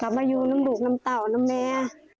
กลับมาอยู่น้ำดูกน้ำเต๋านน้ำเน้